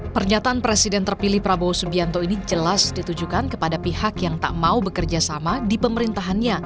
pernyataan presiden terpilih prabowo subianto ini jelas ditujukan kepada pihak yang tak mau bekerja sama di pemerintahannya